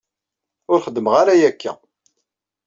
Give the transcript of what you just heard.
Ur xeddmeɣ ara aya akka.